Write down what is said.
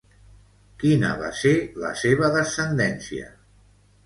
Quina va ser la seva descendència?